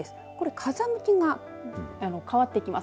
風向きが変わってきます。